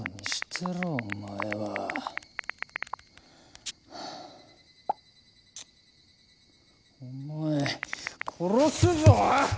てろお前は。お前殺すぞ！